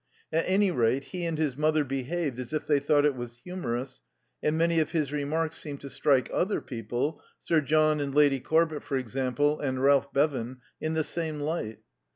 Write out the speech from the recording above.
At any rate, he and his mother behaved as if they thought it was humorous, and many of his remarks seemed to strike other people Sir John and Lady Corbett, for example, and Ralph Bevan in the same light.